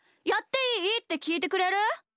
「やっていい？」ってきいてくれる？